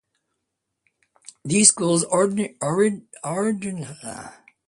These schools ordinarily were adjuncts of the religious schools maintained by the congregations.